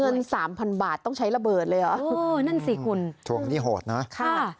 เงิน๓๐๐๐บาทต้องใช้ระเบิดเลยเหรอนั่นสิคุณช่วงนี้โหดนะ